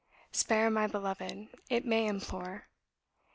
'Spare my beloved,' it may implore.